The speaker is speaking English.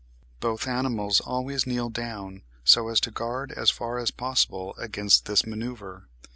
Both animals always kneel down, so as to guard as far as possible against this manoeuvre.